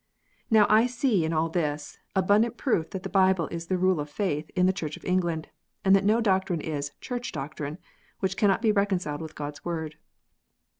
Now I see in all this abundant proof that the Bible is the rule of faith in the Church of England, and that no doctrine is u Church doctrine" which cannot be reconciled with God s Word.